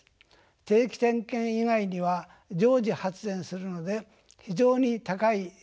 定期点検以外には常時発電するので非常に高い利用率となっています。